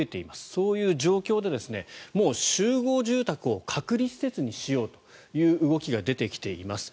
そういう状況でもう、集合住宅を隔離施設にしようという動きが出てきています。